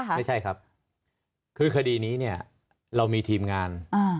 ไม่ใช่ครับคือคดีนี้เนี่ยเรามีทีมงาน